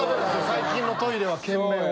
最近のトイレは検便を。